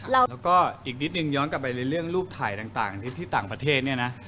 แล้วก็อีกนิดนึงย้อนกลับไปในเรื่องรูปถ่ายต่างที่ต่างประเทศเนี่ยนะ